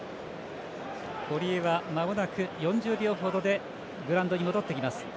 堀江はまもなく４０秒ほどでグラウンドに戻ってきます。